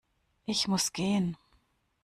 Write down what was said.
Ich muss gehen